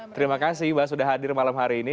terima kasih mbak sudah hadir malam hari ini